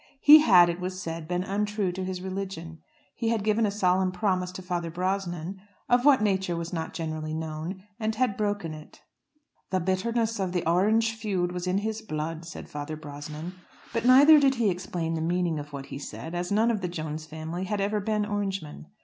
He had, it was said, been untrue to his religion. He had given a solemn promise to Father Brosnan, of what nature was not generally known, and had broken it. "The bittherness of the Orange feud was in his blood," said Father Brosnan. But neither did he explain the meaning of what he said, as none of the Jones family had ever been Orangemen.